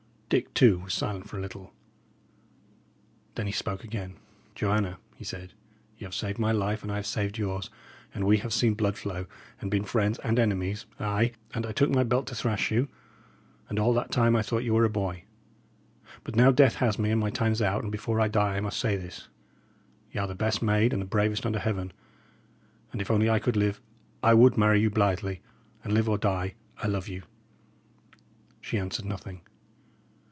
Dick, too, was silent for a little; then he spoke again. "Joanna," he said, "y' 'ave saved my life, and I have saved yours; and we have seen blood flow, and been friends and enemies ay, and I took my belt to thrash you; and all that time I thought ye were a boy. But now death has me, and my time's out, and before I die I must say this: Y' are the best maid and the bravest under heaven, and, if only I could live, I would marry you blithely; and, live or die, I love you." She answered nothing.